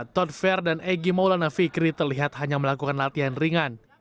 tod fair dan egy maulana fikri terlihat hanya melakukan latihan ringan